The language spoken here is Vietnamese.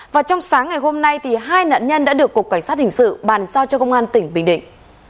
và trong sáng ngày hôm nay hai nạn nhân đã được cục cảnh sát hình sự bàn giao cho công an tỉnh bình định